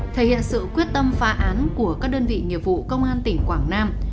thể hiện sự quyết tâm phá án của các đơn vị nghiệp vụ công an tỉnh quảng nam